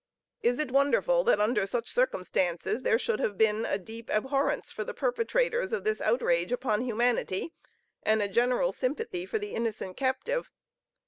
Is it wonderful, that under such circumstances, there should have been a deep abhorrence for the perpetrators of this outrage upon humanity, and a general sympathy for the innocent captive?